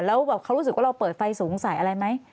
แล้วแบบเขารู้สึกว่าเราเปิดไฟสูงใส่อะไรไหม